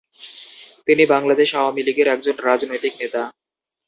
তিনি বাংলাদেশ আওয়ামী লীগের একজন রাজনৈতিক নেতা।